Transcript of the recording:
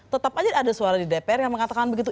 tetap aja ada suara di dpr yang mengatakan begitu